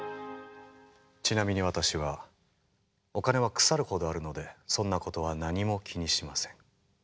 ちなみに私はお金は腐るほどあるのでそんなことは何も気にしません。